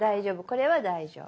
これは大丈夫。